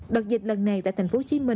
đợt dịch lần này tại tp hcm